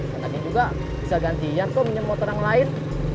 nanti juga bisa gantian kok minyam motor yang lain